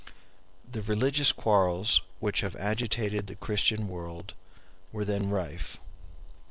The religious quarrels which have agitated the Christian world were then rife.